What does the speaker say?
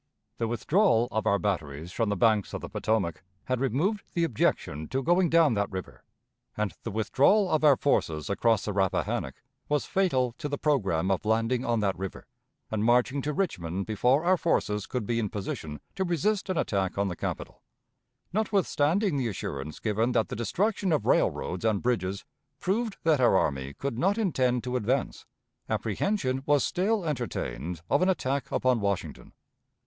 The withdrawal of our batteries from the banks of the Potomac had removed the objection to going down that river, and the withdrawal of our forces across the Rappahannock was fatal to the programme of landing on that river, and marching to Richmond before our forces could be in position to resist an attack on the capital. Notwithstanding the assurance given that the destruction of railroads and bridges proved that our army could not intend to advance, apprehension was still entertained of an attack upon Washington.